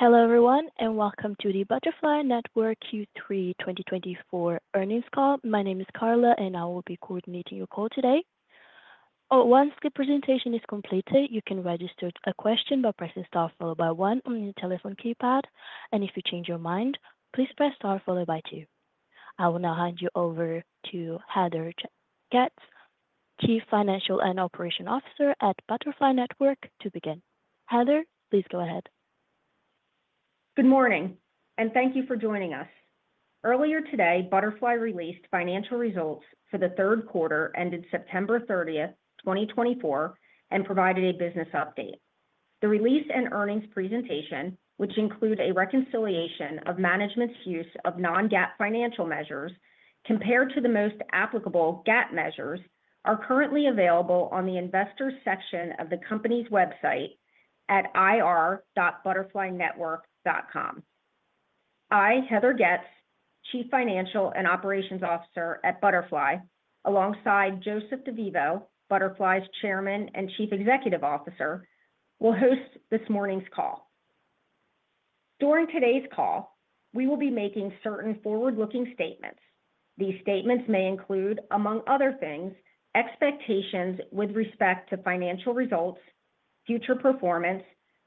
Hello everyone, and welcome to the Butterfly Network Q3 2024 earnings call. My name is Carla, and I will be coordinating your call today. Once the presentation is completed, you can register a question by pressing star followed by one on your telephone keypad, and if you change your mind, please press star followed by two. I will now hand you over to Heather Getz, Chief Financial and Operations Officer at Butterfly Network, to begin. Heather, please go ahead. Good morning, and thank you for joining us. Earlier today, Butterfly released financial results for the third quarter ended September 30th, 2024, and provided a business update. The release and earnings presentation, which include a reconciliation of management's use of non-GAAP financial measures compared to the most applicable GAAP measures, are currently available on the Investor section of the company's website at ir.butterflynetwork.com. I, Heather Getz, Chief Financial and Operations Officer at Butterfly, alongside Joseph DeVivo, Butterfly's Chairman and Chief Executive Officer, will host this morning's call. During today's call, we will be making certain forward-looking statements. These statements may include, among other things, expectations with respect to financial results, future performance,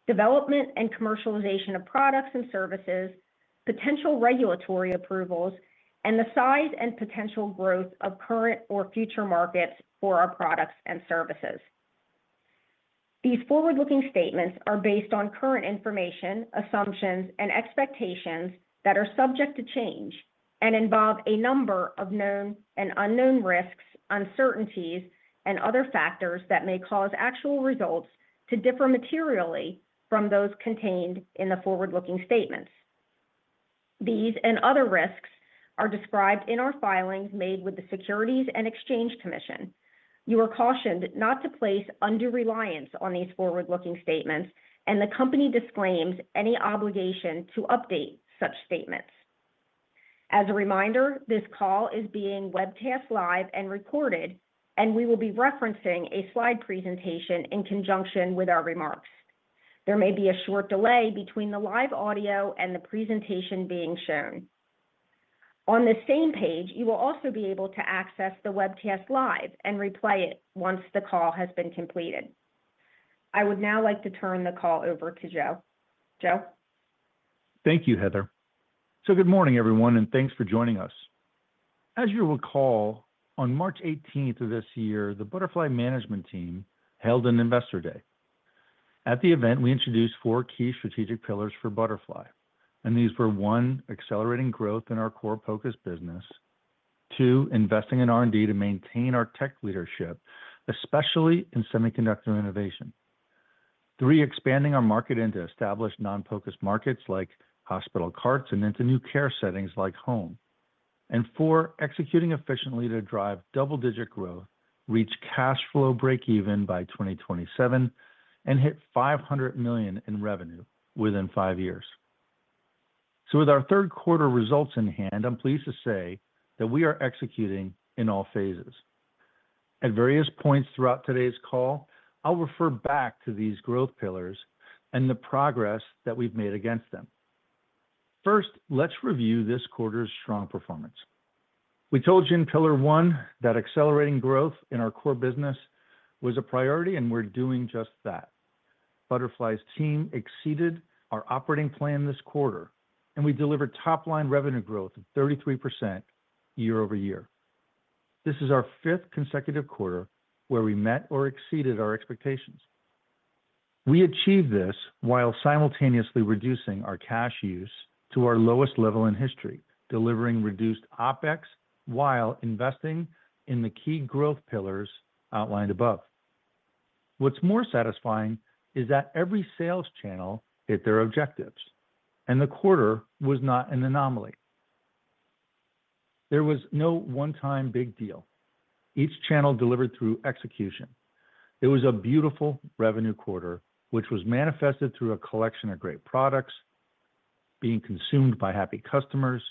development and commercialization of products and services, potential regulatory approvals, and the size and potential growth of current or future markets for our products and services. These forward-looking statements are based on current information, assumptions, and expectations that are subject to change and involve a number of known and unknown risks, uncertainties, and other factors that may cause actual results to differ materially from those contained in the forward-looking statements. These and other risks are described in our filings made with the Securities and Exchange Commission. You are cautioned not to place undue reliance on these forward-looking statements, and the company disclaims any obligation to update such statements. As a reminder, this call is being webcast live and recorded, and we will be referencing a slide presentation in conjunction with our remarks. There may be a short delay between the live audio and the presentation being shown. On the same page, you will also be able to access the webcast live and replay it once the call has been completed. I would now like to turn the call over to Joe. Joe. Thank you, Heather. So good morning, everyone, and thanks for joining us. As you recall, on March 18th of this year, the Butterfly Management Team held an Investor Day. At the event, we introduced four key strategic pillars for Butterfly, and these were: one, accelerating growth in our core POCUS business; two, investing in R&D to maintain our tech leadership, especially in semiconductor innovation; three, expanding our market into established non-POCUS markets like hospital carts and into new care settings like home; and four, executing efficiently to drive double-digit growth, reach cash flow break-even by 2027, and hit $500 million in revenue within five years. So with our third quarter results in hand, I'm pleased to say that we are executing in all phases. At various points throughout today's call, I'll refer back to these growth pillars and the progress that we've made against them. First, let's review this quarter's strong performance. We told you in pillar one that accelerating growth in our core business was a priority, and we're doing just that. Butterfly's team exceeded our operating plan this quarter, and we delivered top-line revenue growth of 33% year-over-year. This is our fifth consecutive quarter where we met or exceeded our expectations. We achieved this while simultaneously reducing our cash use to our lowest level in history, delivering reduced OpEx while investing in the key growth pillars outlined above. What's more satisfying is that every sales channel hit their objectives, and the quarter was not an anomaly. There was no one-time big deal. Each channel delivered through execution. It was a beautiful revenue quarter, which was manifested through a collection of great products being consumed by happy customers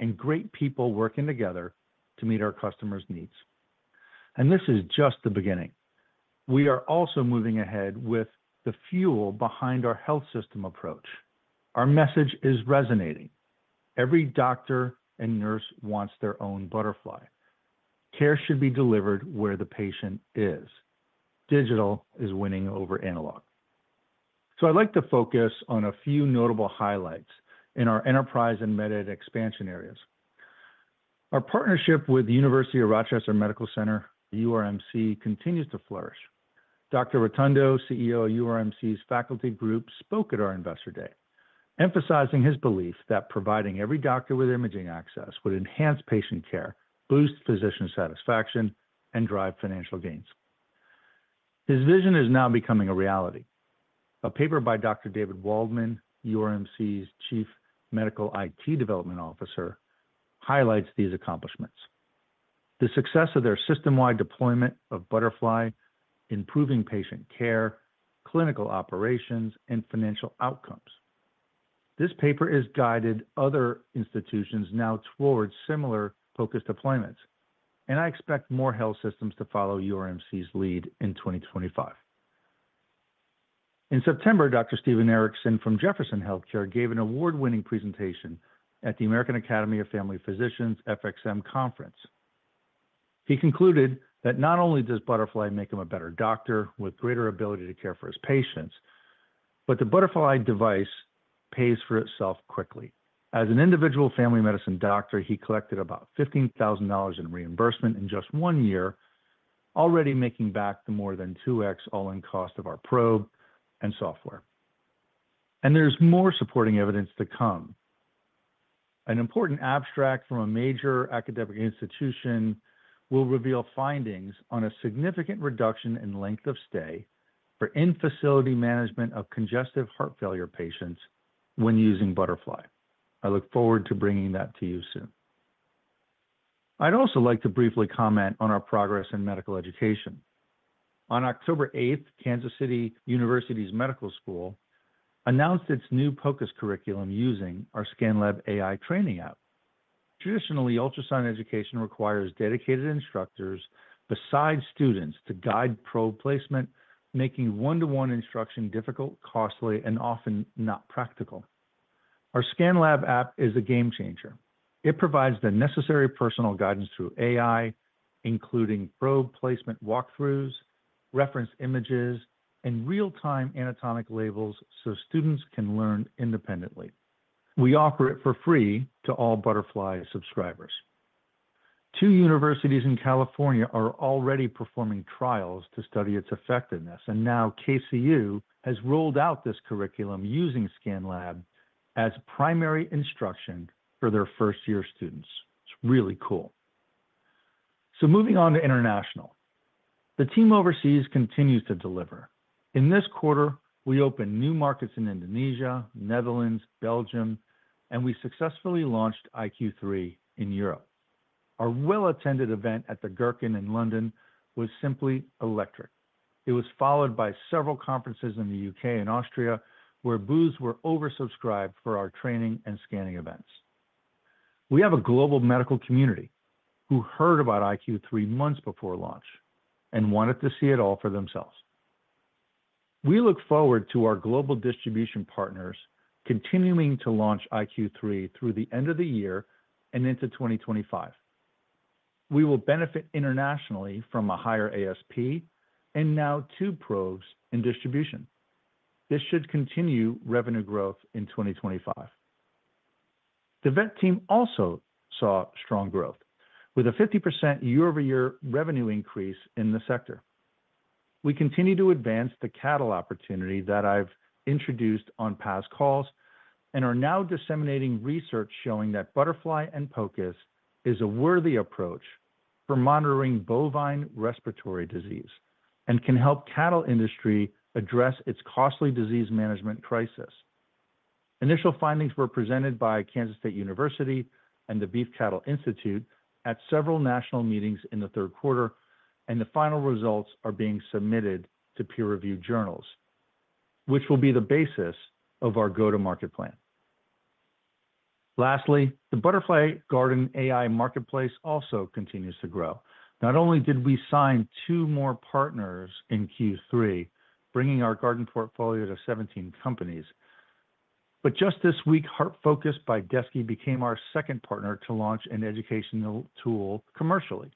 and great people working together to meet our customers' needs. This is just the beginning. We are also moving ahead with the fuel behind our health system approach. Our message is resonating. Every doctor and nurse wants their own Butterfly. Care should be delivered where the patient is. Digital is winning over analog. I'd like to focus on a few notable highlights in our Enterprise and Medical Education expansion areas. Our partnership with the University of Rochester Medical Center, URMC, continues to flourish. Dr. Rotondo, CEO of URMC's faculty group, spoke at our Investor Day, emphasizing his belief that providing every doctor with imaging access would enhance patient care, boost physician satisfaction, and drive financial gains. His vision is now becoming a reality. A paper by Dr. David Waldman, URMC's Chief Medical IT Development Officer, highlights these accomplishments: the success of their system-wide deployment of Butterfly, improving patient care, clinical operations, and financial outcomes. This paper has guided other institutions now towards similar POCUS deployments, and I expect more health systems to follow URMC's lead in 2025. In September, Dr. Stephen Erickson from Jefferson Healthcare gave an award-winning presentation at the American Academy of Family Physicians FMX Conference. He concluded that not only does Butterfly make him a better doctor with greater ability to care for his patients, but the Butterfly device pays for itself quickly. As an individual family medicine doctor, he collected about $15,000 in reimbursement in just one year, already making back the more than 2x all-in cost of our probe and software. There's more supporting evidence to come. An important abstract from a major academic institution will reveal findings on a significant reduction in length of stay for in-facility management of congestive heart failure patients when using Butterfly. I look forward to bringing that to you soon. I'd also like to briefly comment on our progress in Medical Education. On October 8th, Kansas City University's Medical School announced its new POCUS curriculum using our ScanLab AI training app. Traditionally, ultrasound education requires dedicated instructors beside students to guide probe placement, making one-to-one instruction difficult, costly, and often not practical. Our ScanLab app is a game changer. It provides the necessary personal guidance through AI, including probe placement walkthroughs, reference images, and real-time anatomic labels so students can learn independently. We offer it for free to all Butterfly subscribers. Two universities in California are already performing trials to study its effectiveness, and now KCU has rolled out this curriculum using ScanLab as primary instruction for their first-year students. It's really cool. So moving on to international. The team overseas continues to deliver. In this quarter, we opened new markets in Indonesia, Netherlands, Belgium, and we successfully launched iQ3 Ultrasound in Europe. Our well-attended event at The Gherkin in London was simply electric. It was followed by several conferences in the UK and Austria, where booths were oversubscribed for our training and scanning events. We have a global medical community who heard about iQ3 months before launch and wanted to see it all for themselves. We look forward to our global distribution partners continuing to launch iQ3 through the end of the year and into 2025. We will benefit internationally from a higher ASP and now two probes in distribution. This should continue revenue growth in 2025. The vet team also saw strong growth, with a 50% year-over-year revenue increase in the sector. We continue to advance the cattle opportunity that I've introduced on past calls and are now disseminating research showing that Butterfly and POCUS is a worthy approach for monitoring bovine respiratory disease and can help the cattle industry address its costly disease management crisis. Initial findings were presented by Kansas State University and the Beef Cattle Institute at several national meetings in the third quarter, and the final results are being submitted to peer-reviewed journals, which will be the basis of our go-to-market plan. Lastly, the Butterfly Garden AI marketplace also continues to grow. Not only did we sign two more partners in Q3, bringing our garden portfolio to 17 companies, but just this week, HeartFocus by DESKi became our second partner to launch an educational tool commercially.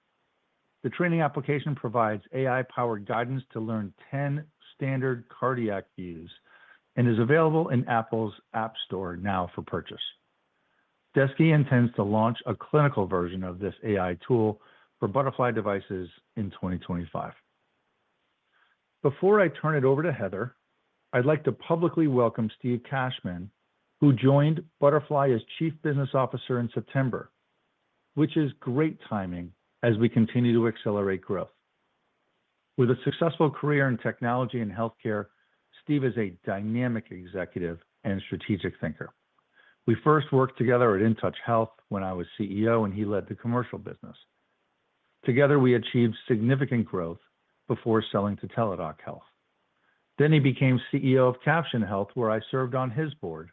The training application provides AI-powered guidance to learn 10 standard cardiac views and is available in Apple's App Store now for purchase. DESKi intends to launch a clinical version of this AI tool for Butterfly devices in 2025. Before I turn it over to Heather, I'd like to publicly welcome Steve Cashman, who joined Butterfly as Chief Business Officer in September, which is great timing as we continue to accelerate growth. With a successful career in technology and healthcare, Steve is a dynamic executive and strategic thinker. We first worked together at InTouch Health when I was CEO, and he led the commercial business. Together, we achieved significant growth before selling to Teladoc Health. Then he became CEO of Caption Health, where I served on his board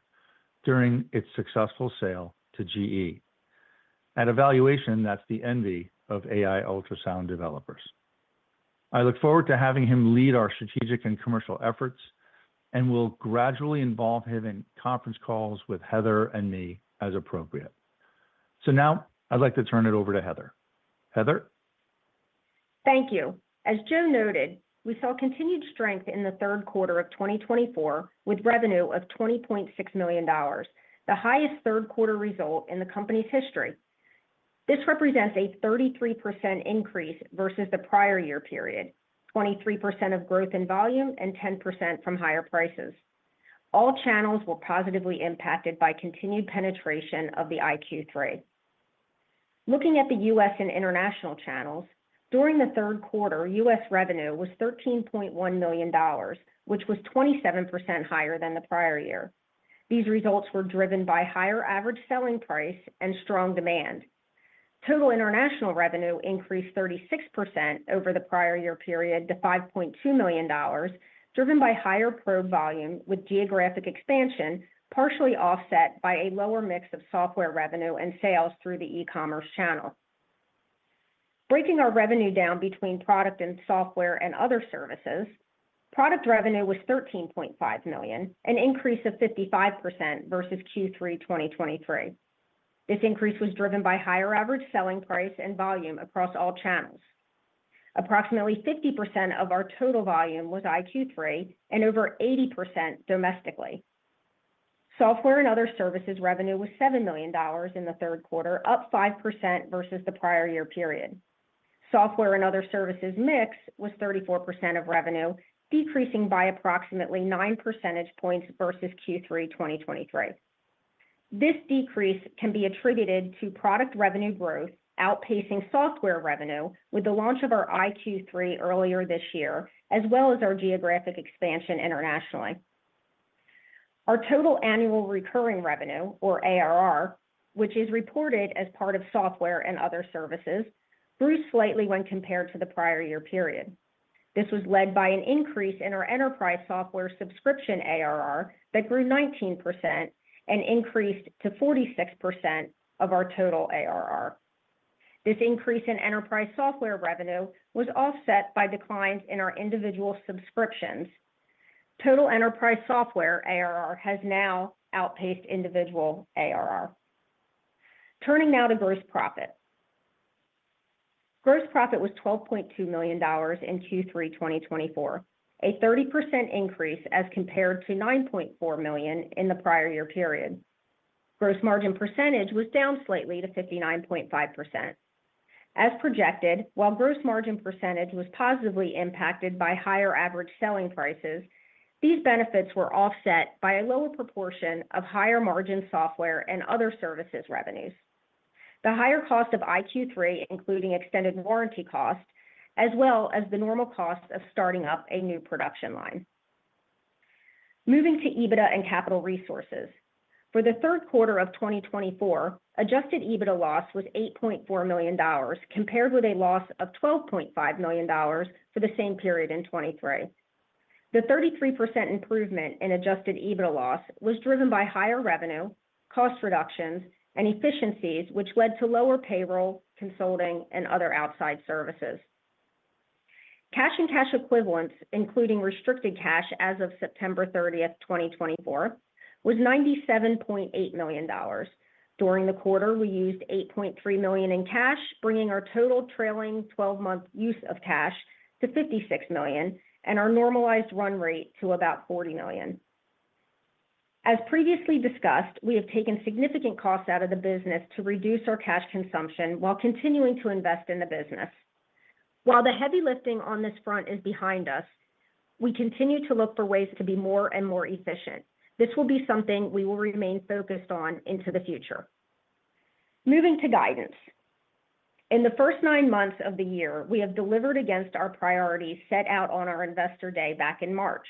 during its successful sale to GE at a valuation that's the envy of AI ultrasound developers. I look forward to having him lead our strategic and commercial efforts, and we'll gradually involve him in conference calls with Heather and me as appropriate. So now I'd like to turn it over to Heather. Heather. Thank you. As Joe noted, we saw continued strength in the third quarter of 2024 with revenue of $20.6 million, the highest third-quarter result in the company's history. This represents a 33% increase versus the prior year period, 23% of growth in volume and 10% from higher prices. All channels were positively impacted by continued penetration of the iQ3. Looking at the U.S. and international channels, during the third quarter, U.S. revenue was $13.1 million, which was 27% higher than the prior year. These results were driven by higher average selling price and strong demand. Total international revenue increased 36% over the prior year period to $5.2 million, driven by higher probe volume with geographic expansion, partially offset by a lower mix of software revenue and sales through the e-commerce channel. Breaking our revenue down between product and software and other services, product revenue was $13.5 million, an increase of 55% versus Q3 2023. This increase was driven by higher average selling price and volume across all channels. Approximately 50% of our total volume was iQ3 and over 80% domestically. Software and other services revenue was $7 million in the third quarter, up 5% versus the prior year period. Software and other services mix was 34% of revenue, decreasing by approximately 9 percentage points versus Q3 2023. This decrease can be attributed to product revenue growth outpacing software revenue with the launch of our iQ3 earlier this year, as well as our geographic expansion internationally. Our total Annual Recurring Revenue, or ARR, which is reported as part of software and other services, grew slightly when compared to the prior year period. This was led by an increase in our enterprise software subscription ARR that grew 19% and increased to 46% of our total ARR. This increase in enterprise software revenue was offset by declines in our individual subscriptions. Total enterprise software ARR has now outpaced individual ARR. Turning now to gross profit. Gross profit was $12.2 million in Q3 2024, a 30% increase as compared to $9.4 million in the prior year period. Gross margin percentage was down slightly to 59.5%. As projected, while gross margin percentage was positively impacted by higher average selling prices, these benefits were offset by a lower proportion of higher margin software and other services revenues. The higher cost of iQ3, including extended warranty cost, as well as the normal cost of starting up a new production line. Moving to EBITDA and capital resources. For the third quarter of 2024, Adjusted EBITDA loss was $8.4 million, compared with a loss of $12.5 million for the same period in 2023. The 33% improvement in Adjusted EBITDA loss was driven by higher revenue, cost reductions, and efficiencies, which led to lower payroll, consulting, and other outside services. Cash and cash equivalents, including restricted cash as of September 30th, 2024, was $97.8 million. During the quarter, we used $8.3 million in cash, bringing our total trailing 12-month use of cash to $56 million and our normalized run rate to about $40 million. As previously discussed, we have taken significant costs out of the business to reduce our cash consumption while continuing to invest in the business. While the heavy lifting on this front is behind us, we continue to look for ways to be more and more efficient. This will be something we will remain focused on into the future. Moving to guidance. In the first nine months of the year, we have delivered against our priorities set out on our Investor Day back in March.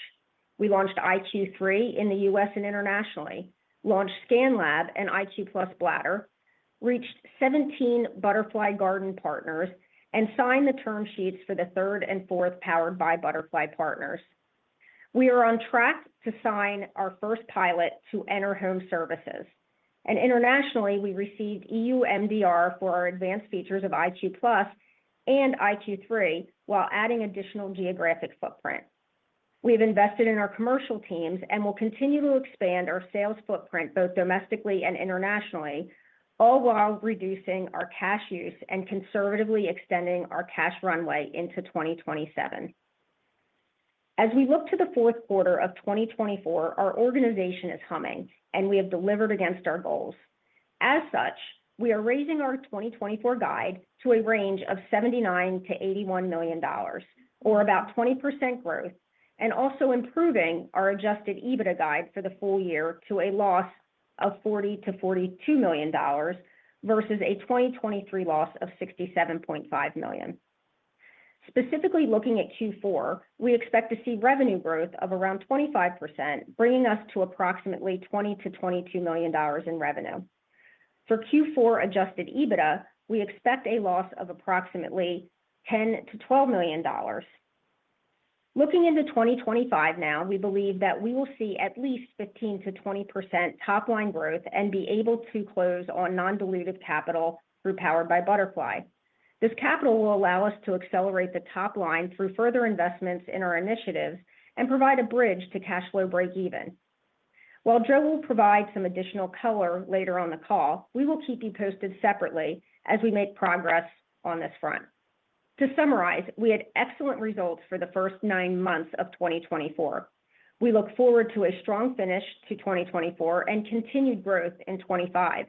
We launched iQ3 in the U.S. and internationally, launched ScanLab and iQ+ Bladder scanner, reached 17 Butterfly Garden partners, and signed the term sheets for the third and fourth powered by Butterfly partners. We are on track to sign our first pilot to enter home services, and internationally, we received EU MDR for our advanced features of iQ+ and iQ3 while adding additional geographic footprint. We have invested in our commercial teams and will continue to expand our sales footprint both domestically and internationally, all while reducing our cash use and conservatively extending our cash runway into 2027. As we look to the fourth quarter of 2024, our organization is humming, and we have delivered against our goals. As such, we are raising our 2024 guide to a range of $79 million-$81 million, or about 20% growth, and also improving our Adjusted EBITDA guide for the full year to a loss of $40 million-$42 million versus a 2023 loss of $67.5 million. Specifically looking at Q4, we expect to see revenue growth of around 25%, bringing us to approximately $20 million-$22 million in revenue. For Q4 Adjusted EBITDA, we expect a loss of approximately $10 million-$12 million. Looking into 2025 now, we believe that we will see at least 15%-20% top-line growth and be able to close on non-dilutive capital through Powered by Butterfly. This capital will allow us to accelerate the top line through further investments in our initiatives and provide a bridge to cash flow break-even. While Joe will provide some additional color later on the call, we will keep you posted separately as we make progress on this front. To summarize, we had excellent results for the first nine months of 2024. We look forward to a strong finish to 2024 and continued growth in 2025.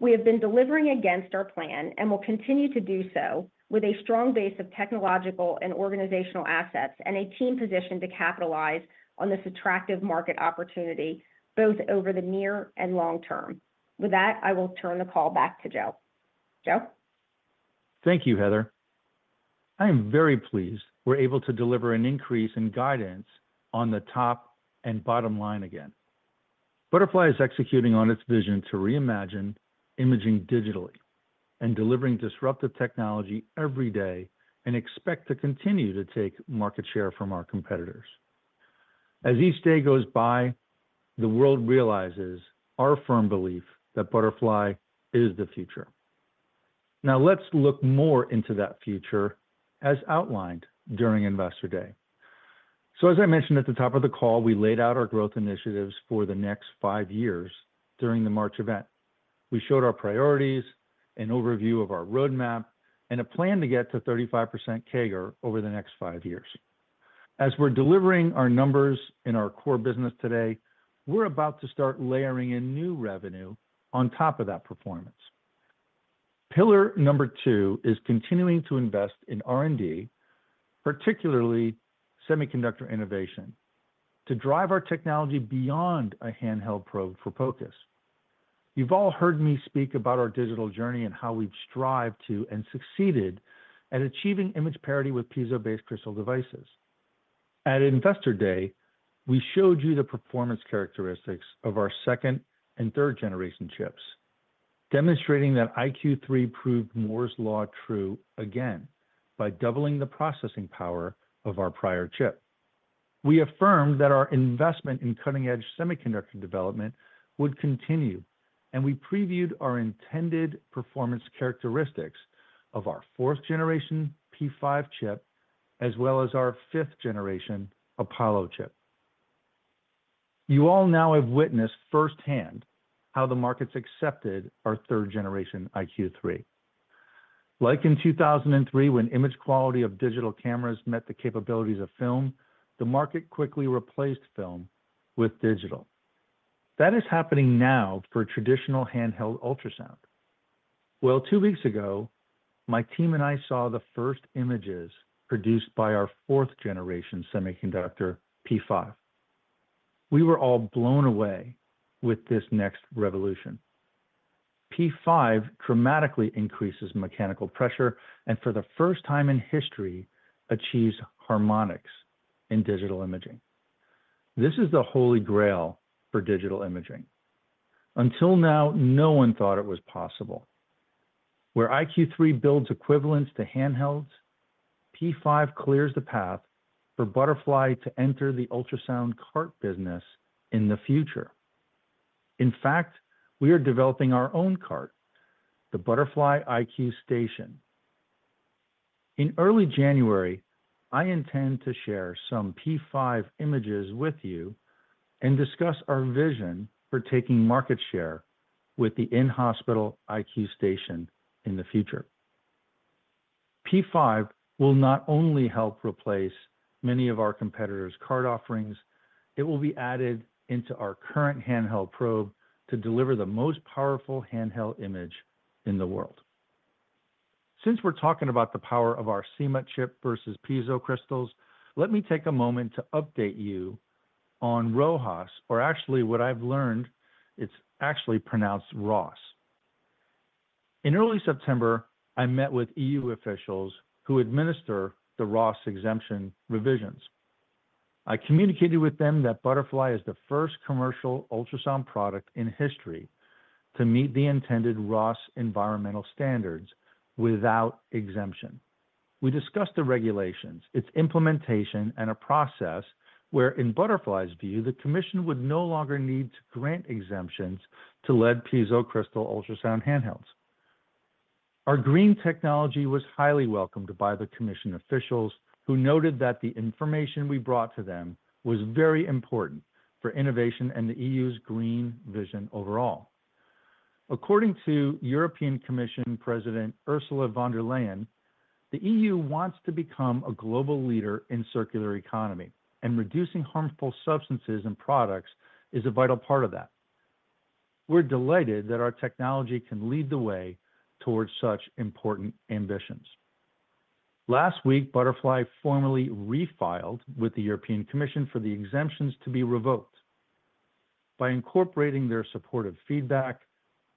We have been delivering against our plan and will continue to do so with a strong base of technological and organizational assets and a team positioned to capitalize on this attractive market opportunity both over the near and long term. With that, I will turn the call back to Joe. Joe? Thank you, Heather. I am very pleased we're able to deliver an increase in guidance on the top and bottom line again. Butterfly is executing on its vision to reimagine imaging digitally and delivering disruptive technology every day and expect to continue to take market share from our competitors. As each day goes by, the world realizes our firm belief that Butterfly is the future. Now let's look more into that future as outlined during Investor Day. So, as I mentioned at the top of the call, we laid out our growth initiatives for the next five years during the March event. We showed our priorities, an overview of our roadmap, and a plan to get to 35% CAGR over the next five years. As we're delivering our numbers in our core business today, we're about to start layering in new revenue on top of that performance. Pillar number two is continuing to invest in R&D, particularly semiconductor innovation, to drive our technology beyond a handheld probe for POCUS. You've all heard me speak about our digital journey and how we've strived to and succeeded at achieving image parity with piezo-based crystal devices. At Investor Day, we showed you the performance characteristics of our second and third-generation chips, demonstrating that iQ3 proved Moore's Law true again by doubling the processing power of our prior chip. We affirmed that our investment in cutting-edge semiconductor development would continue, and we previewed our intended performance characteristics of our fourth-generation P5 chip as well as our fifth-generation Apollo chip. You all now have witnessed firsthand how the markets accepted our third-generation iQ3. Like in 2003, when image quality of digital cameras met the capabilities of film, the market quickly replaced film with digital. That is happening now for traditional handheld ultrasound. Well, two weeks ago, my team and I saw the first images produced by our fourth-generation semiconductor P5. We were all blown away with this next revolution. P5 dramatically increases mechanical pressure and, for the first time in history, achieves harmonics in digital imaging. This is the Holy Grail for digital imaging. Until now, no one thought it was possible. Where iQ3 builds equivalents to handhelds, P5 clears the path for Butterfly to enter the ultrasound cart business in the future. In fact, we are developing our own cart, the Butterfly iQ Station. In early January, I intend to share some P5 images with you and discuss our vision for taking market share with the in-hospital iQ Station in the future. P5 will not only help replace many of our competitors' cart offerings, it will be added into our current handheld probe to deliver the most powerful handheld image in the world. Since we're talking about the power of our CMUT chip versus piezo crystals, let me take a moment to update you on RoHS, or actually what I've learned, it's actually pronounced ross. In early September, I met with EU officials who administer the RoHS exemption revisions. I communicated with them that Butterfly is the first commercial ultrasound product in history to meet the intended RoHS environmental standards without exemption. We discussed the regulations, its implementation, and a process where, in Butterfly's view, the Commission would no longer need to grant exemptions to lead piezo crystal ultrasound handhelds. Our green technology was highly welcomed by the Commission officials, who noted that the information we brought to them was very important for innovation and the EU's green vision overall. According to European Commission President Ursula von der Leyen, the EU wants to become a global leader in circular economy, and reducing harmful substances and products is a vital part of that. We're delighted that our technology can lead the way towards such important ambitions. Last week, Butterfly formally refiled with the European Commission for the exemptions to be revoked by incorporating their supportive feedback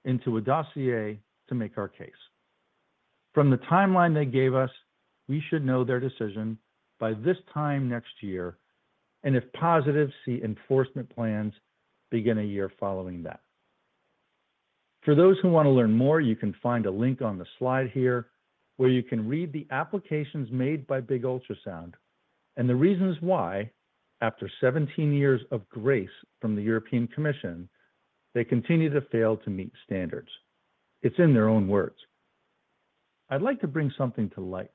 into a dossier to make our case. From the timeline they gave us, we should know their decision by this time next year, and if positive, see enforcement plans begin a year following that. For those who want to learn more, you can find a link on the slide here where you can read the applications made by Big Ultrasound and the reasons why, after 17 years of grace from the European Commission, they continue to fail to meet standards. It's in their own words. I'd like to bring something to light.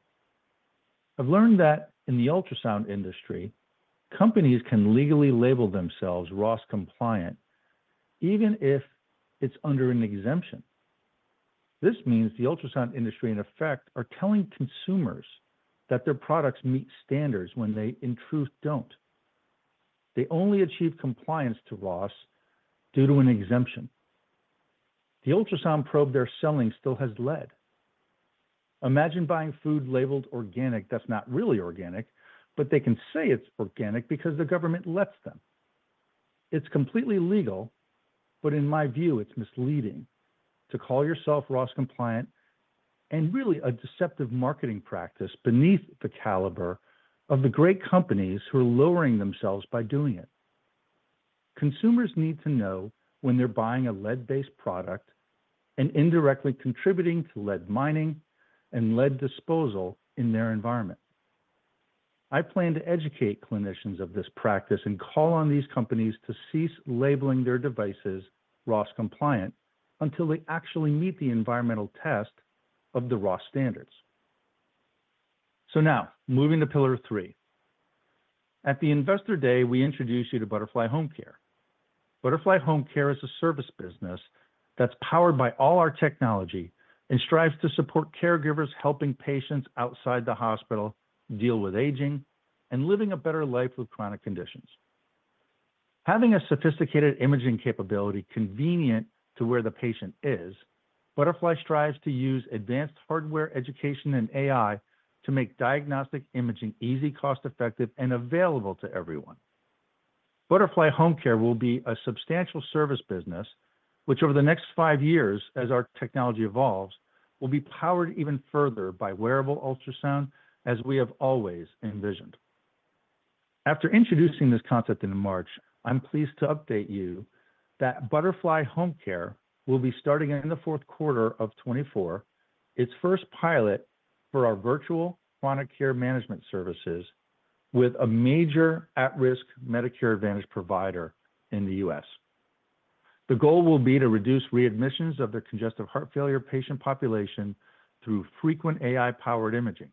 I've learned that in the ultrasound industry, companies can legally label themselves RoHS compliant even if it's under an exemption. This means the ultrasound industry in effect are telling consumers that their products meet standards when they in truth don't. They only achieve compliance to RoHS due to an exemption. The ultrasound probe they're selling still has lead. Imagine buying food labeled organic that's not really organic, but they can say it's organic because the government lets them. It's completely legal, but in my view, it's misleading to call yourself RoHS compliant and really a deceptive marketing practice beneath the caliber of the great companies who are lowering themselves by doing it. Consumers need to know when they're buying a lead-based product and indirectly contributing to lead mining and lead disposal in their environment. I plan to educate clinicians of this practice and call on these companies to cease labeling their devices RoHS compliant until they actually meet the environmental test of the RoHS standards. So now, moving to pillar three. At the Investor Day, we introduced you to Butterfly Home Care. Butterfly Home Care is a service business that's powered by all our technology and strives to support caregivers helping patients outside the hospital deal with aging and living a better life with chronic conditions. Having a sophisticated imaging capability convenient to where the patient is, Butterfly strives to use advanced hardware education and AI to make diagnostic imaging easy, cost-effective, and available to everyone. Butterfly Home Care will be a substantial service business, which over the next five years, as our technology evolves, will be powered even further by wearable ultrasound, as we have always envisioned. After introducing this concept in March, I'm pleased to update you that Butterfly Home Care will be starting in the fourth quarter of 2024 its first pilot for our virtual chronic care management services with a major at-risk Medicare Advantage provider in the U.S. The goal will be to reduce readmissions of the congestive heart failure patient population through frequent AI-powered imaging.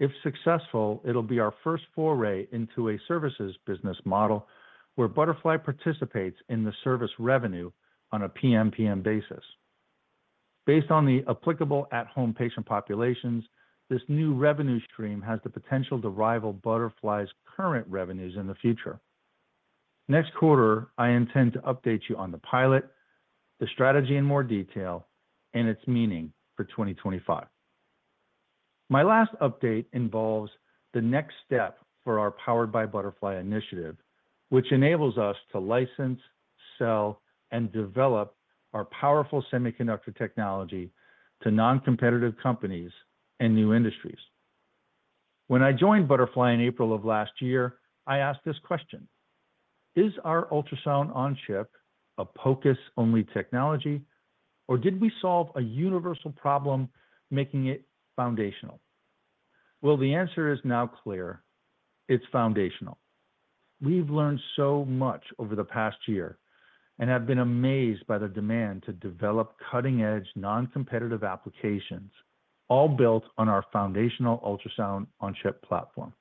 If successful, it'll be our first foray into a services business model where Butterfly participates in the service revenue on a PMPM basis. Based on the applicable at-home patient populations, this new revenue stream has the potential to rival Butterfly's current revenues in the future. Next quarter, I intend to update you on the pilot, the strategy in more detail, and its meaning for 2025. My last update involves the next step for our Powered by Butterfly initiative, which enables us to license, sell, and develop our powerful semiconductor technology to non-competitive companies and new industries. When I joined Butterfly in April of last year, I asked this question: Is our ultrasound-on-chip a POCUS-only technology, or did we solve a universal problem making it foundational? Well, the answer is now clear. It's foundational. We've learned so much over the past year and have been amazed by the demand to develop cutting-edge non-competitive applications all built on our foundational ultrasound-on-chip platform.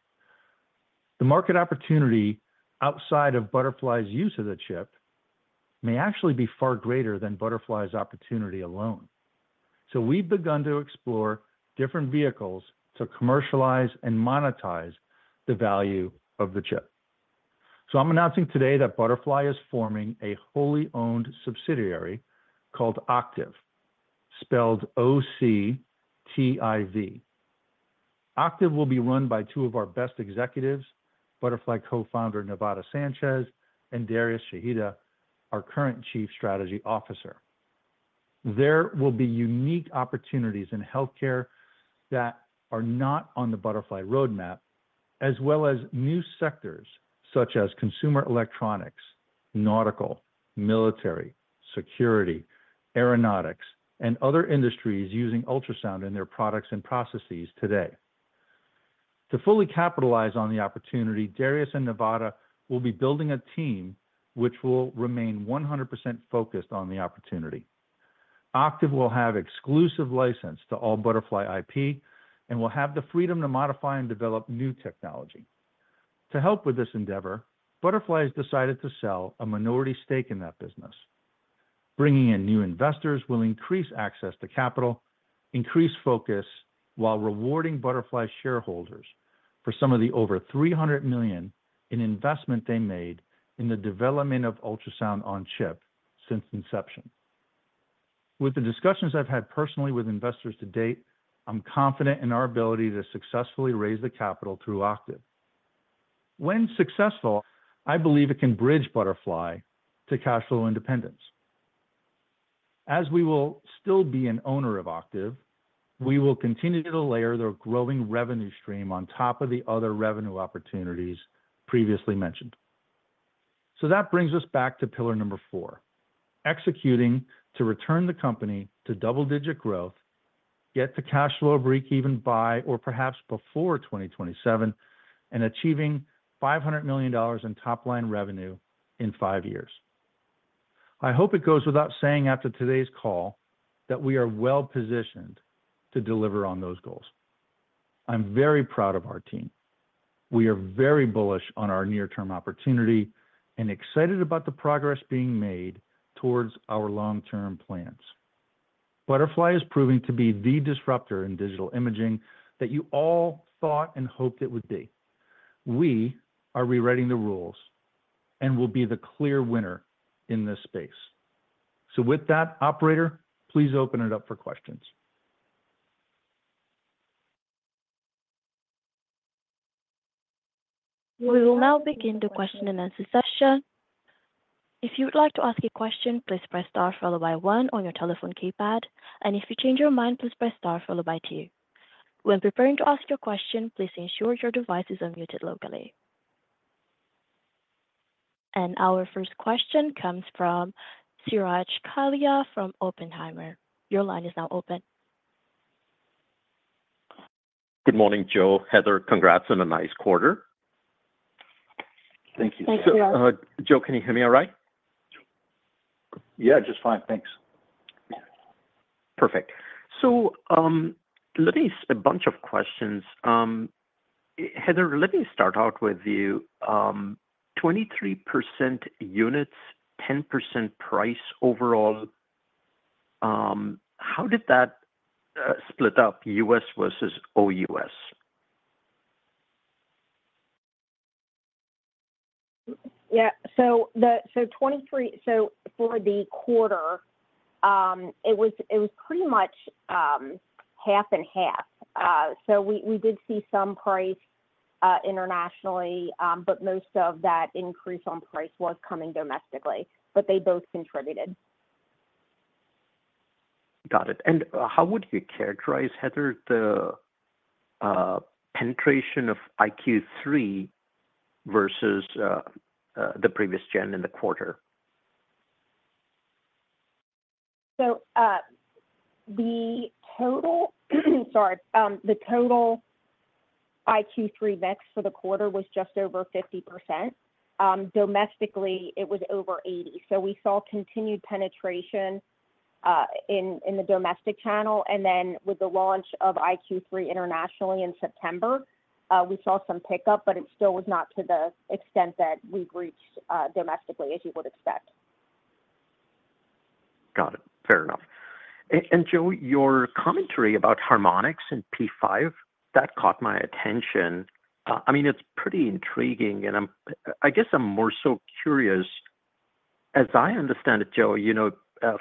The market opportunity outside of Butterfly's use of the chip may actually be far greater than Butterfly's opportunity alone. So we've begun to explore different vehicles to commercialize and monetize the value of the chip. So I'm announcing today that Butterfly is forming a wholly owned subsidiary called Octiv, spelled O-C-T-I-V. Octiv will be run by two of our best executives, Butterfly co-founder Nevada Sanchez and Darius Shahida, our current Chief Strategy Officer. There will be unique opportunities in healthcare that are not on the Butterfly roadmap, as well as new sectors such as consumer electronics, nautical, military, security, aeronautics, and other industries using ultrasound in their products and processes today. To fully capitalize on the opportunity, Darius and Nevada will be building a team which will remain 100% focused on the opportunity. Octiv will have exclusive license to all Butterfly IP and will have the freedom to modify and develop new technology. To help with this endeavor, Butterfly has decided to sell a minority stake in that business. Bringing in new investors will increase access to capital, increase focus, while rewarding Butterfly shareholders for some of the over $300 million in investment they made in the development of ultrasound-on-chip since inception. With the discussions I've had personally with investors to date, I'm confident in our ability to successfully raise the capital through Octiv. When successful, I believe it can bridge Butterfly to cash flow independence. As we will still be an owner of Octiv, we will continue to layer their growing revenue stream on top of the other revenue opportunities previously mentioned. So that brings us back to pillar number four: executing to return the company to double-digit growth, get the cash flow break-even by or perhaps before 2027, and achieving $500 million in top-line revenue in five years. I hope it goes without saying after today's call that we are well-positioned to deliver on those goals. I'm very proud of our team. We are very bullish on our near-term opportunity and excited about the progress being made towards our long-term plans. Butterfly is proving to be the disruptor in digital imaging that you all thought and hoped it would be. We are rewriting the rules and will be the clear winner in this space. So with that, operator, please open it up for questions. We will now begin the question-and-answer session. If you would like to ask a question, please press star followed by one on your telephone keypad, and if you change your mind, please press star followed by two. When preparing to ask your question, please ensure your device is unmuted locally. And our first question comes from Suraj Kalia from Oppenheimer. Your line is now open. Good morning, Joe. Heather, congrats on a nice quarter. Thank you. Thank you, Joe. Joe, can you hear me all right? Yeah, just fine. Thanks. Perfect. So let me ask a bunch of questions. Heather, let me start out with you. 23% units, 10% price overall. How did that split up, U.S. versus OUS? Yeah. So for the quarter, it was pretty much half and half. So we did see some price internationally, but most of that increase on price was coming domestically, but they both contributed. Got it. How would you characterize, Heather, the penetration of iQ3 versus the previous gen in the quarter? So the total iQ3 mix for the quarter was just over 50%. Domestically, it was over 80%. So we saw continued penetration in the domestic channel. Then with the launch of iQ3 internationally in September, we saw some pickup, but it still was not to the extent that we've reached domestically, as you would expect. Got it. Fair enough. Joe, your commentary about harmonics and P5, that caught my attention. I mean, it's pretty intriguing, and I guess I'm more so curious. As I understand it, Joe,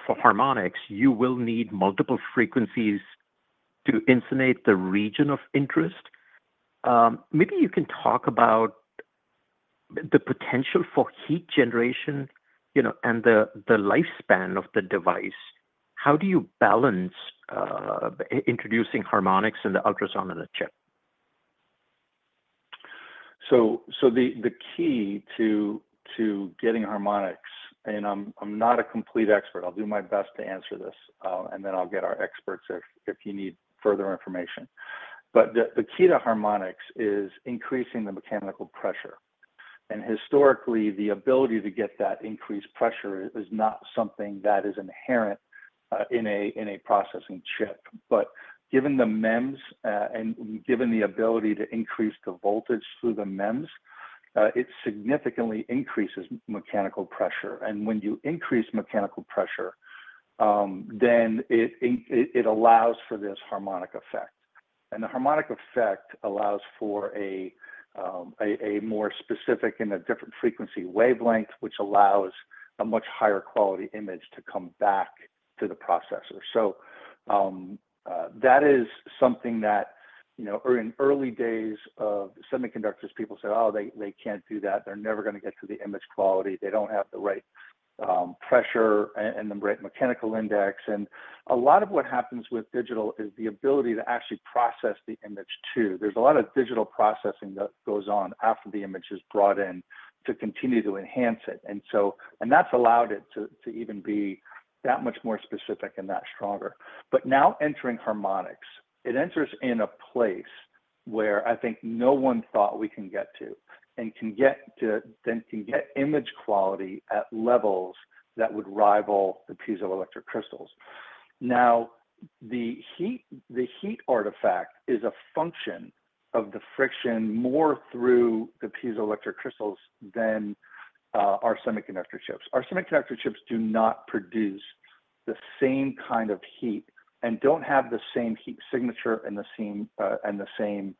for harmonics, you will need multiple frequencies to illuminate the region of interest. Maybe you can talk about the potential for heat generation and the lifespan of the device. How do you balance introducing harmonics and the ultrasound-on-a-chip? So the key to getting harmonics, and I'm not a complete expert. I'll do my best to answer this, and then I'll get our experts if you need further information. But the key to harmonics is increasing the mechanical pressure. And historically, the ability to get that increased pressure is not something that is inherent in a processing chip. But given the MEMS and given the ability to increase the voltage through the MEMS, it significantly increases mechanical pressure. And when you increase mechanical pressure, then it allows for this harmonic effect. And the harmonic effect allows for a more specific and a different frequency wavelength, which allows a much higher quality image to come back to the processor. So that is something that in early days of semiconductors, people said, "Oh, they can't do that. They're never going to get to the image quality. They don't have the right pressure and the right mechanical index," and a lot of what happens with digital is the ability to actually process the image too. There's a lot of digital processing that goes on after the image is brought in to continue to enhance it, and that's allowed it to even be that much more specific and that stronger, but now entering harmonics, it enters in a place where I think no one thought we can get to and can get image quality at levels that would rival the piezoelectric crystals. Now, the heat artifact is a function of the friction more through the piezoelectric crystals than our semiconductor chips. Our semiconductor chips do not produce the same kind of heat and don't have the same heat signature and the same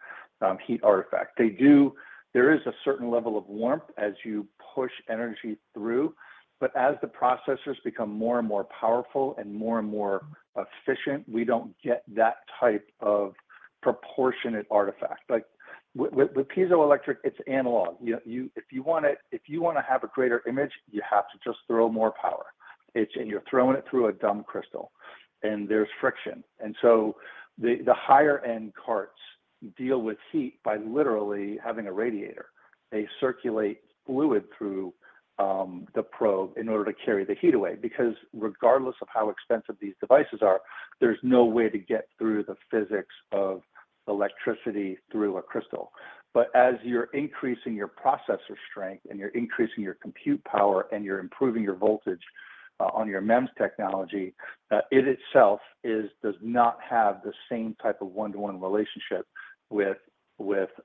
heat artifact. There is a certain level of warmth as you push energy through, but as the processors become more and more powerful and more and more efficient, we don't get that type of proportionate artifact. But with piezoelectric, it's analog. If you want to have a greater image, you have to just throw more power. And you're throwing it through a dumb crystal, and there's friction. And so the higher-end carts deal with heat by literally having a radiator. They circulate fluid through the probe in order to carry the heat away. Because regardless of how expensive these devices are, there's no way to get through the physics of electricity through a crystal. But as you're increasing your processor strength and you're increasing your compute power and you're improving your voltage on your MEMS technology, it itself does not have the same type of one-to-one relationship with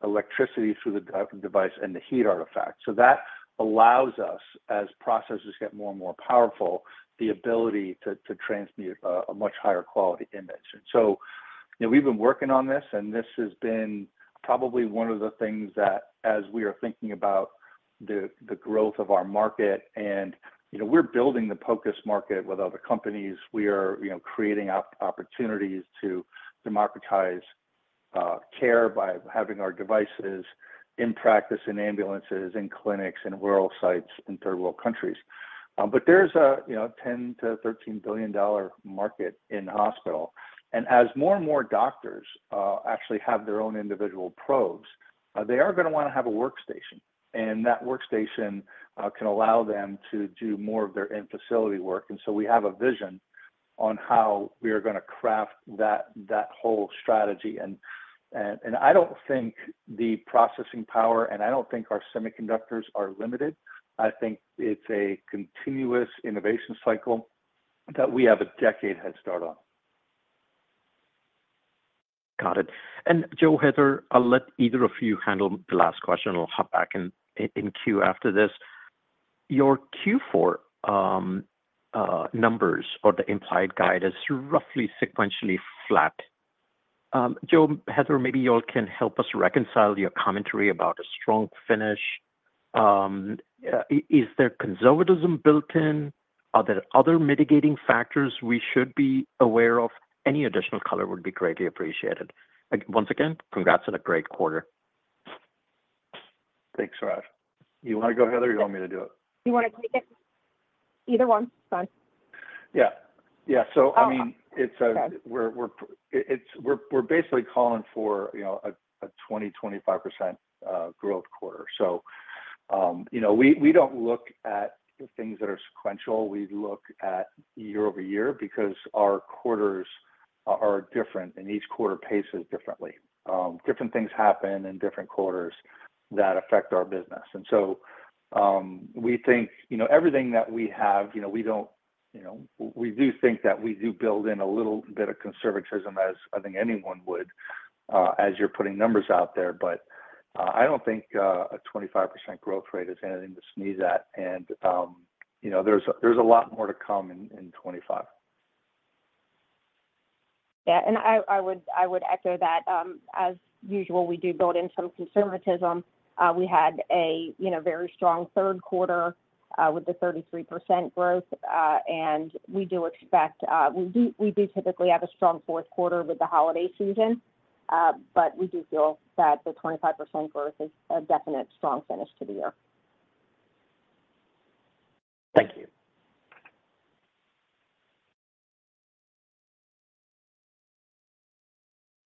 electricity through the device and the heat artifact. So that allows us, as processors get more and more powerful, the ability to transmit a much higher quality image. And so we've been working on this, and this has been probably one of the things that, as we are thinking about the growth of our market, and we're building the POCUS market with other companies. We are creating opportunities to democratize care by having our devices in practice, in ambulances, in clinics, in rural sites, in third-world countries. But there's a $10 billion-$13 billion market in hospitals. As more and more doctors actually have their own individual probes, they are going to want to have a workstation. That workstation can allow them to do more of their in-facility work. We have a vision on how we are going to craft that whole strategy. I don't think the processing power, and I don't think our semiconductors are limited. I think it's a continuous innovation cycle that we have a decade headstart on. Got it. Joe, Heather, I'll let either of you handle the last question. I'll hop back in queue after this. Your Q4 numbers or the implied guide is roughly sequentially flat. Joe, Heather, maybe you all can help us reconcile your commentary about a strong finish. Is there conservatism built in? Are there other mitigating factors we should be aware of? Any additional color would be greatly appreciated. Once again, congrats on a great quarter. Thanks, Rod. You want to go, Heather? You want me to do it? You want to take it? Either one. Sorry. Yeah. Yeah. So I mean, we're basically calling for a 20%-25% growth quarter. So we don't look at things that are sequential. We look at year-over-year because our quarters are different, and each quarter paces differently. Different things happen in different quarters that affect our business, and so we think everything that we have. We do think that we do build in a little bit of conservatism, as I think anyone would, as you're putting numbers out there. But I don't think a 25% growth rate is anything to sneeze at. And there's a lot more to come in 2025. Yeah. And I would echo that. As usual, we do build in some conservatism. We had a very strong third quarter with the 33% growth, and we do expect typically to have a strong fourth quarter with the holiday season, but we do feel that the 25% growth is a definite strong finish to the year.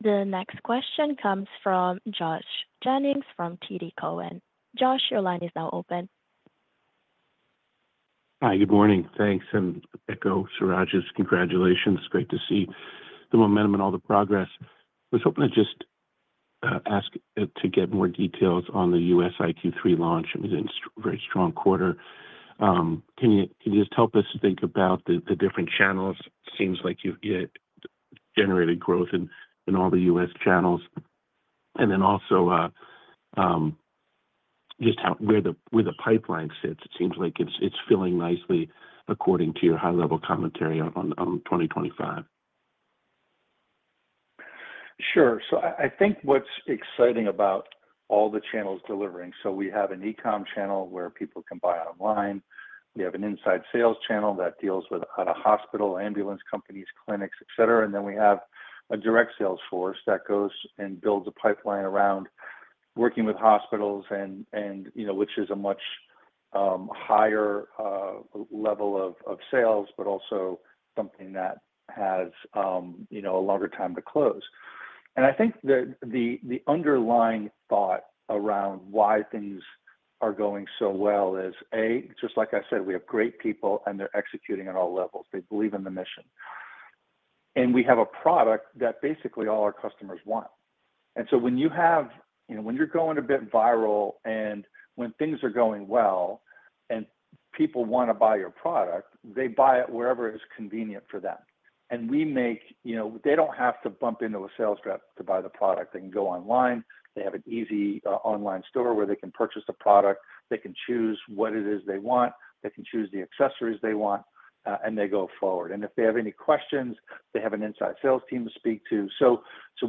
Thank you. The next question comes from Josh Jennings from TD Cowen. Josh, your line is now open. Hi. Good morning. Thanks. And I echo, Suraj's, congratulations. Great to see the momentum and all the progress. I was hoping to just ask to get more details on the U.S. iQ3 launch. It was a very strong quarter. Can you just help us think about the different channels? It seems like you've generated growth in all the U.S. channels, and then also just where the pipeline sits. It seems like it's filling nicely according to your high-level commentary on 2025. Sure. So I think what's exciting about all the channels delivering so we have an e-com channel where people can buy online. We have an inside sales channel that deals with hospital, ambulance companies, clinics, etc. And then we have a direct sales force that goes and builds a pipeline around working with hospitals, which is a much higher level of sales, but also something that has a longer time to close. And I think the underlying thought around why things are going so well is, just like I said, we have great people, and they're executing at all levels. They believe in the mission. And we have a product that basically all our customers want. And so when you're going a bit viral and when things are going well and people want to buy your product, they buy it wherever it's convenient for them. We make sure they don't have to bump into a sales rep to buy the product. They can go online. They have an easy online store where they can purchase the product. They can choose what it is they want. They can choose the accessories they want, and they go forward. And if they have any questions, they have an inside sales team to speak to. So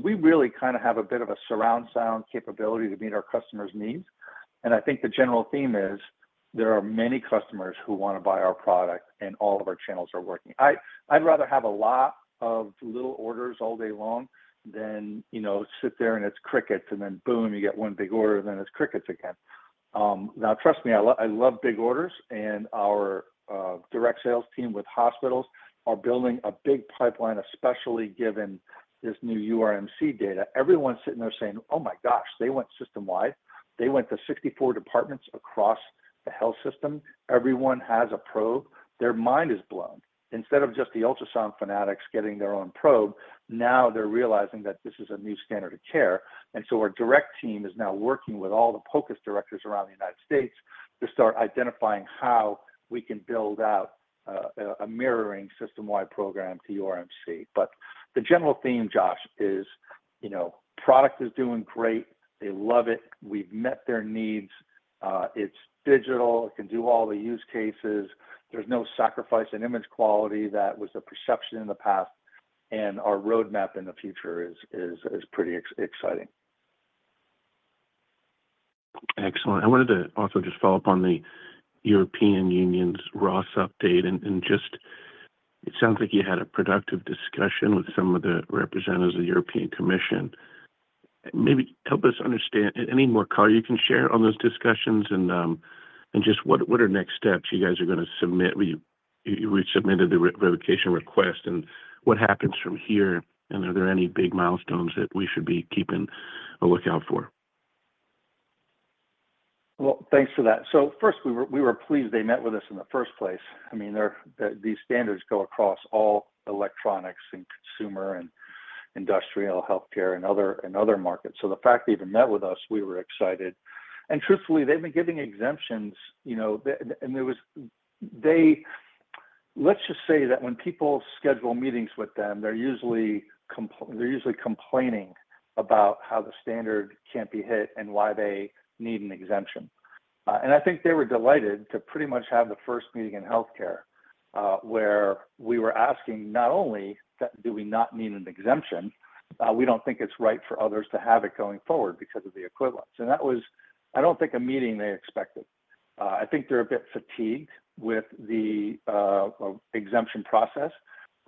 we really kind of have a bit of a surround sound capability to meet our customers' needs. And I think the general theme is there are many customers who want to buy our product, and all of our channels are working. I'd rather have a lot of little orders all day long than sit there and it's crickets, and then boom, you get one big order, and then it's crickets again. Now, trust me, I love big orders. And our direct sales team with hospitals are building a big pipeline, especially given this new URMC data. Everyone's sitting there saying, "Oh my gosh, they went system-wide. They went to 64 departments across the health system. Everyone has a probe." Their mind is blown. Instead of just the ultrasound fanatics getting their own probe, now they're realizing that this is a new standard of care. And so our direct team is now working with all the POCUS directors around the United States to start identifying how we can build out a mirroring system-wide program to URMC. But the general theme, Josh, is product is doing great. They love it. We've met their needs. It's digital. It can do all the use cases. There's no sacrifice in image quality. That was the perception in the past. And our roadmap in the future is pretty exciting. Excellent. I wanted to also just follow up on the European Union's RoHS update. And just it sounds like you had a productive discussion with some of the representatives of the European Commission. Maybe help us understand any more color you can share on those discussions and just what are next steps you guys are going to submit. You submitted the revocation request. And what happens from here? And are there any big milestones that we should be keeping a lookout for? Well, thanks for that. So first, we were pleased they met with us in the first place. I mean, these standards go across all electronics and consumer and industrial healthcare and other markets. So the fact they even met with us, we were excited. And truthfully, they've been giving exemptions. And let's just say that when people schedule meetings with them, they're usually complaining about how the standard can't be hit and why they need an exemption. And I think they were delighted to pretty much have the first meeting in healthcare where we were asking not only do we not need an exemption, we don't think it's right for others to have it going forward because of the equivalence. And that was, I don't think, a meeting they expected. I think they're a bit fatigued with the exemption process.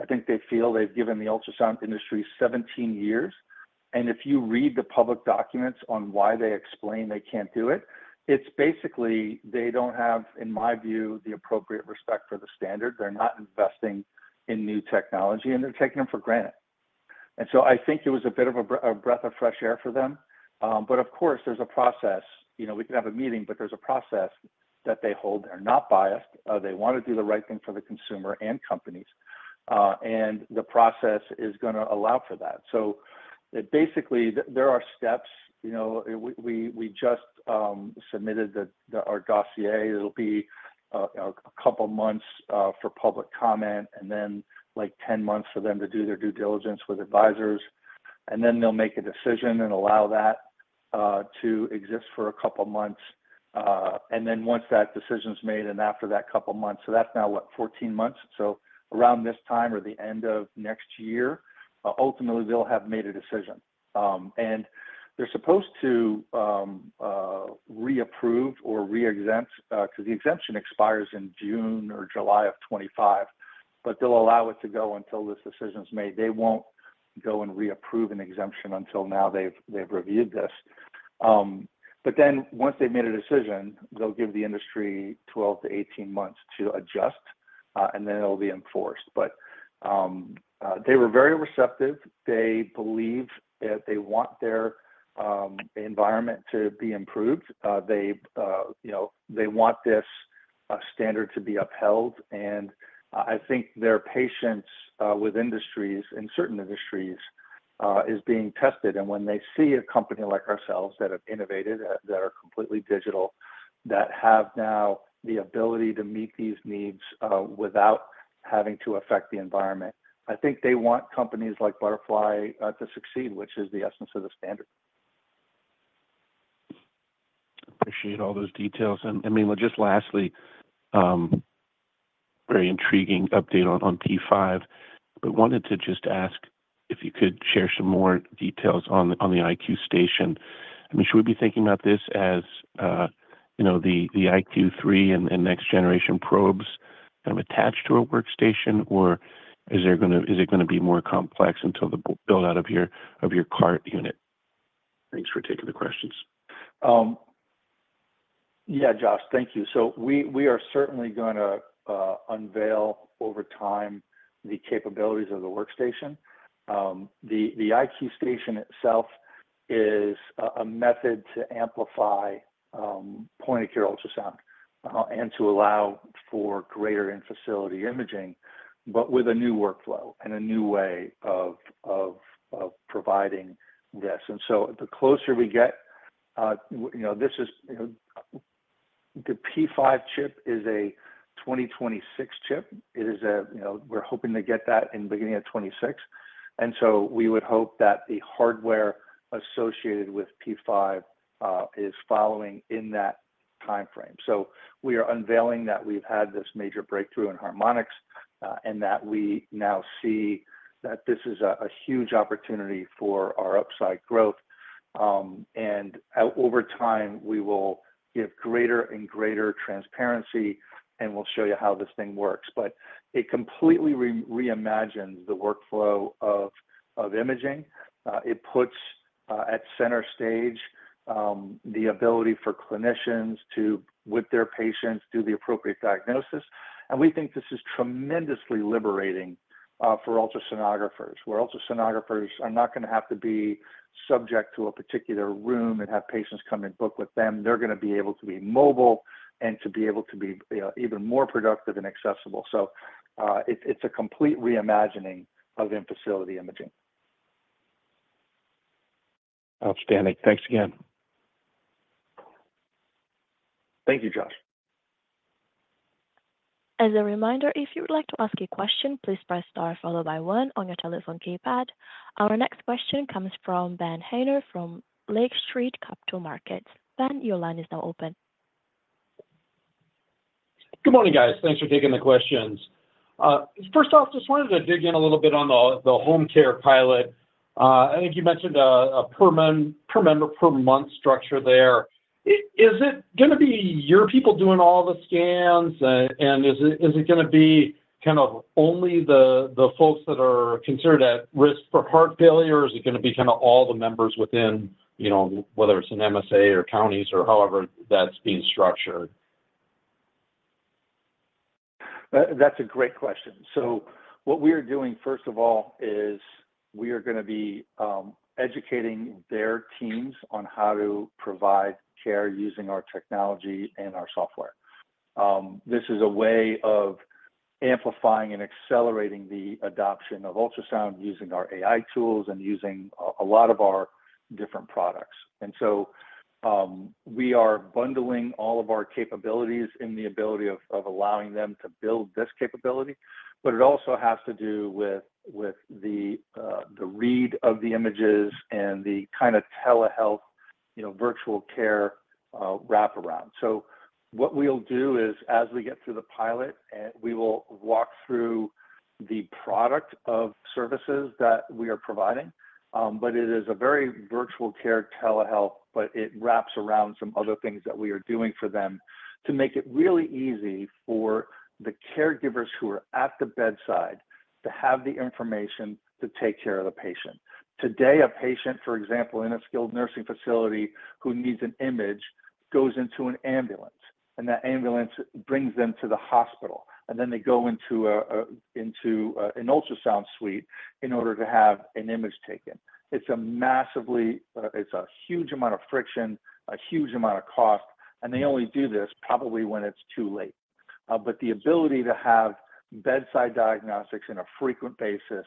I think they feel they've given the ultrasound industry 17 years. And if you read the public documents on why they explain they can't do it, it's basically they don't have, in my view, the appropriate respect for the standard. They're not investing in new technology, and they're taking them for granted. And so I think it was a bit of a breath of fresh air for them. But of course, there's a process. We can have a meeting, but there's a process that they hold. They're not biased. They want to do the right thing for the consumer and companies. And the process is going to allow for that. So basically, there are steps. We just submitted our dossier. It'll be a couple of months for public comment and then like 10 months for them to do their due diligence with advisors. And then they'll make a decision and allow that to exist for a couple of months. And then once that decision's made and after that couple of months, so that's now what, 14 months? So around this time or the end of next year, ultimately, they'll have made a decision. And they're supposed to reapprove or re-exempt because the exemption expires in June or July of 2025, but they'll allow it to go until this decision's made. They won't go and reapprove an exemption until now they've reviewed this. But then once they've made a decision, they'll give the industry 12-18 months to adjust, and then it'll be enforced. But they were very receptive. They believe that they want their environment to be improved. They want this standard to be upheld. And I think their patience with industries and certain industries is being tested. And when they see a company like ourselves that have innovated, that are completely digital, that have now the ability to meet these needs without having to affect the environment, I think they want companies like Butterfly to succeed, which is the essence of the standard. Appreciate all those details. And I mean, just lastly, very intriguing update on P5, but wanted to just ask if you could share some more details on the iQ Station. I mean, should we be thinking about this as the iQ3 and next-generation probes kind of attached to a workstation, or is it going to be more complex until the build-out of your cart unit? Thanks for taking the questions. Yeah, Josh, thank you. So we are certainly going to unveil over time the capabilities of the workstation. The iQ Station itself is a method to amplify point-of-care ultrasound and to allow for greater in-facility imaging, but with a new workflow and a new way of providing this. And so the closer we get, this is the P5 chip is a 2026 chip. It is a we're hoping to get that in the beginning of 2026. And so we would hope that the hardware associated with P5 is following in that timeframe. So we are unveiling that we've had this major breakthrough in harmonics and that we now see that this is a huge opportunity for our upside growth. And over time, we will give greater and greater transparency, and we'll show you how this thing works. But it completely reimagines the workflow of imaging. It puts at center stage the ability for clinicians to, with their patients, do the appropriate diagnosis. And we think this is tremendously liberating for ultrasonographers, where ultrasonographers are not going to have to be subject to a particular room and have patients come and book with them. They're going to be able to be mobile and to be able to be even more productive and accessible. So it's a complete reimagining of in-facility imaging. Outstanding. Thanks again. Thank you, Josh. As a reminder, if you would like to ask a question, please press star followed by one on your telephone keypad. Our next question comes from Ben Haynor from Lake Street Capital Markets. Ben, your line is now open. Good morning, guys. Thanks for taking the questions. First off, just wanted to dig in a little bit on the home care pilot. I think you mentioned a per member per month structure there. Is it going to be your people doing all the scans, and is it going to be kind of only the folks that are considered at risk for heart failure? Is it going to be kind of all the members within, whether it's an MSA or counties or however that's being structured? That's a great question. So what we are doing, first of all, is we are going to be educating their teams on how to provide care using our technology and our software. This is a way of amplifying and accelerating the adoption of ultrasound using our AI tools and using a lot of our different products. And so we are bundling all of our capabilities in the ability of allowing them to build this capability. But it also has to do with the read of the images and the kind of telehealth virtual care wraparound. So what we'll do is, as we get through the pilot, we will walk through the portfolio of services that we are providing. But it is a very virtual care telehealth, but it wraps around some other things that we are doing for them to make it really easy for the caregivers who are at the bedside to have the information to take care of the patient. Today, a patient, for example, in a skilled nursing facility who needs an image goes into an ambulance, and that ambulance brings them to the hospital, and then they go into an ultrasound suite in order to have an image taken. It's a huge amount of friction, a huge amount of cost, and they only do this probably when it's too late. But the ability to have bedside diagnostics on a frequent basis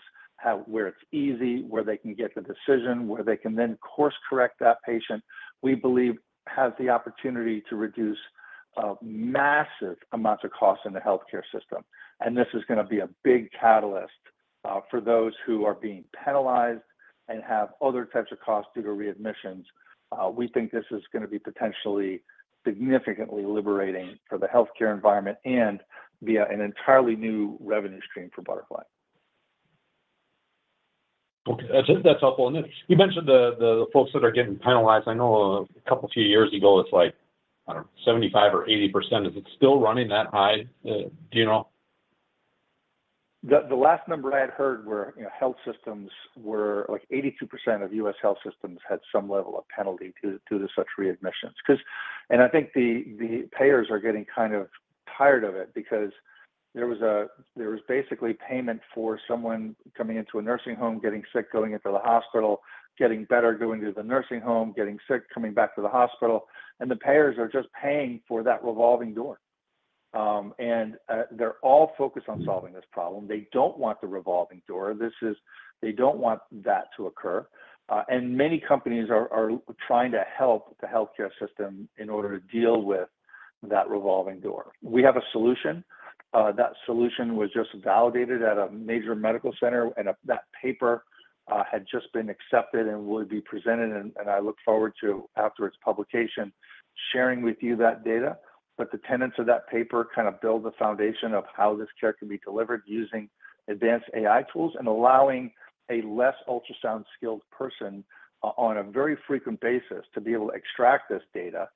where it's easy, where they can get the decision, where they can then course-correct that patient, we believe has the opportunity to reduce massive amounts of cost in the healthcare system. And this is going to be a big catalyst for those who are being penalized and have other types of costs due to readmissions. We think this is going to be potentially significantly liberating for the healthcare environment and be an entirely new revenue stream for Butterfly. Okay. That's helpful. And you mentioned the folks that are getting penalized. I know a few years ago, it's like, I don't know, 75% or 80%. Is it still running that high? Do you know? The last number I had heard where health systems were like 82% of U.S. health systems had some level of penalty due to such readmissions. And I think the payers are getting kind of tired of it because there was basically payment for someone coming into a nursing home, getting sick, going into the hospital, getting better, going to the nursing home, getting sick, coming back to the hospital. And the payers are just paying for that revolving door. And they're all focused on solving this problem. They don't want the revolving door. They don't want that to occur. And many companies are trying to help the healthcare system in order to deal with that revolving door. We have a solution. That solution was just validated at a major medical center, and that paper had just been accepted and would be presented. I look forward to, after its publication, sharing with you that data. The tenets of that paper kind of build the foundation of how this care can be delivered using advanced AI tools and allowing a less ultrasound-skilled person on a very frequent basis to be able to extract this data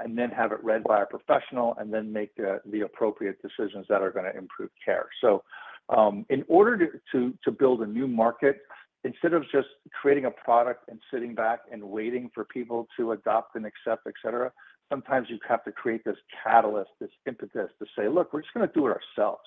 and then have it read by a professional and then make the appropriate decisions that are going to improve care. In order to build a new market, instead of just creating a product and sitting back and waiting for people to adopt and accept, etc., sometimes you have to create this catalyst, this impetus to say, "Look, we're just going to do it ourselves.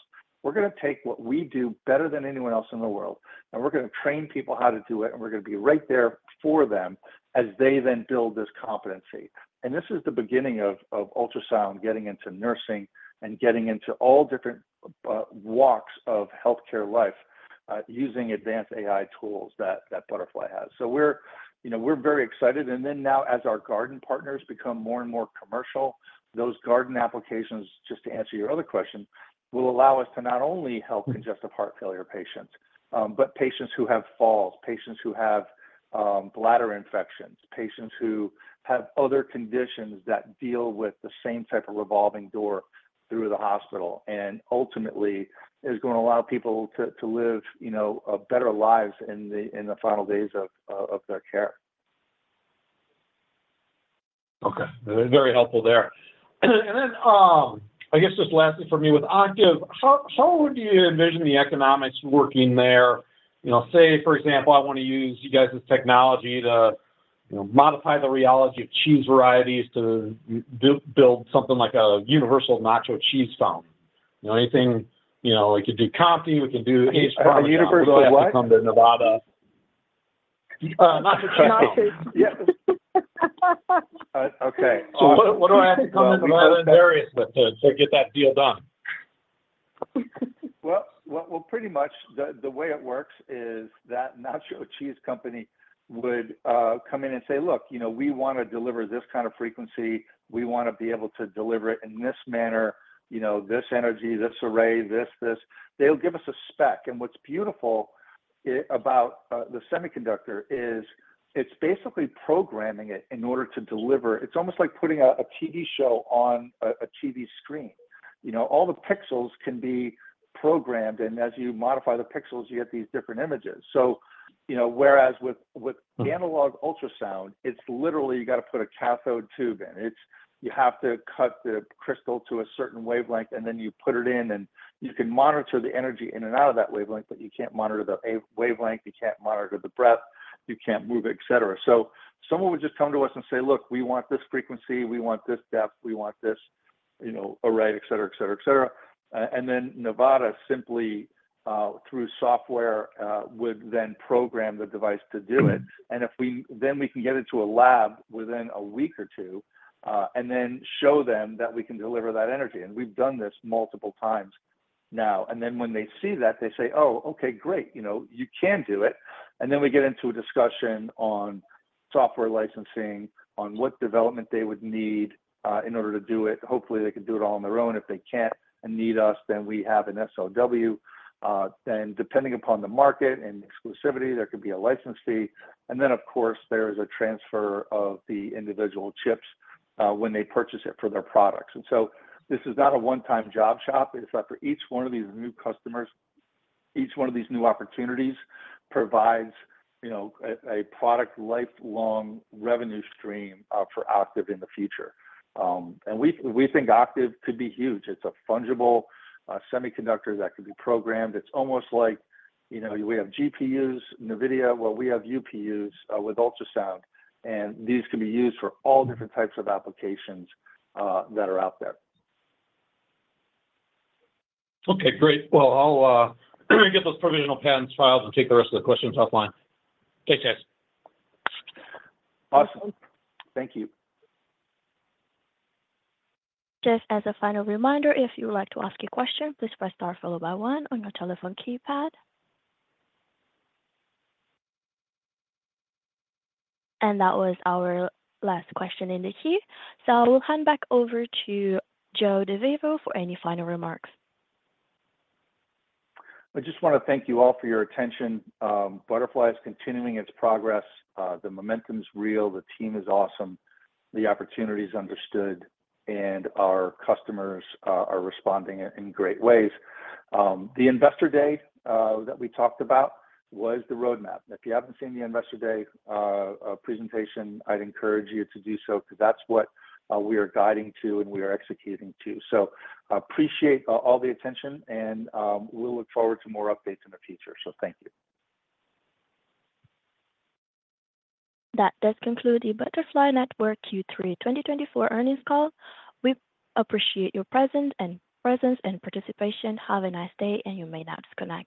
We're going to take what we do better than anyone else in the world, and we're going to train people how to do it, and we're going to be right there for them as they then build this competency." And this is the beginning of ultrasound getting into nursing and getting into all different walks of healthcare life using advanced AI tools that Butterfly has. So we're very excited. And then now, as our Garden partners become more and more commercial, those Garden applications, just to answer your other question, will allow us to not only help congestive heart failure patients, but patients who have falls, patients who have bladder infections, patients who have other conditions that deal with the same type of revolving door through the hospital. And ultimately, it's going to allow people to live better lives in the final days of their care. Okay. Very helpful there. And then I guess just lastly for me with Octiv, how would you envision the economics working there? Say, for example, I want to use you guys' technology to modify the reality of cheese varieties to build something like a universal nacho cheese fountain. Anything like you do Comté, we can do Asiago provolone. Universal what? We can come to Nevada. Nacho. Nachos. Okay. So what do I have to come to Nevada and Darius with to get that deal done? Well, pretty much the way it works is that nacho cheese company would come in and say, "Look, we want to deliver this kind of frequency. We want to be able to deliver it in this manner, this energy, this array, this, this." They'll give us a spec. And what's beautiful about the semiconductor is it's basically programming it in order to deliver. It's almost like putting a TV show on a TV screen. All the pixels can be programmed, and as you modify the pixels, you get these different images. So whereas with analog ultrasound, it's literally you got to put a cathode tube in. You have to cut the crystal to a certain wavelength, and then you put it in, and you can monitor the energy in and out of that wavelength, but you can't monitor the wavelength. You can't monitor the breadth. You can't move, etc. So someone would just come to us and say, "Look, we want this frequency. We want this depth. We want this array, etc., etc., etc." And then Nevada simply, through software, would then program the device to do it. And then we can get it to a lab within a week or two and then show them that we can deliver that energy. And we've done this multiple times now. And then when they see that, they say, "Oh, okay, great. You can do it." And then we get into a discussion on software licensing, on what development they would need in order to do it. Hopefully, they can do it all on their own. If they can't and need us, then we have an SOW. Then, depending upon the market and exclusivity, there could be a license fee. And then, of course, there is a transfer of the individual chips when they purchase it for their products. And so this is not a one-time job shop. It's that for each one of these new customers, each one of these new opportunities provides a product lifelong revenue stream for Octiv in the future. And we think Octiv could be huge. It's a fungible semiconductor that could be programmed. It's almost like we have GPUs, NVIDIA. Well, we have UPUs with ultrasound, and these can be used for all different types of applications that are out there. Okay. Great. Well, I'll get those provisional patents filed and take the rest of the questions offline. Thanks, guys. Awesome. Thank you. Just as a final reminder, if you would like to ask a question, please press star followed by one on your telephone keypad. And that was our last question in the queue. So I will hand back over to Joe DeVivo for any final remarks. I just want to thank you all for your attention. Butterfly is continuing its progress. The momentum is real. The team is awesome. The opportunity is understood, and our customers are responding in great ways. The Investor Day that we talked about was the roadmap. If you haven't seen the Investor Day presentation, I'd encourage you to do so because that's what we are guiding to and we are executing to. So appreciate all the attention, and we'll look forward to more updates in the future. So thank you. That does conclude the Butterfly Network Q3 2024 Earnings Call. We appreciate your presence and participation. Have a nice day, and you may now disconnect.